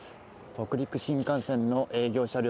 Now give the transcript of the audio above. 北陸新幹線の営業車両